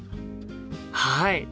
はい！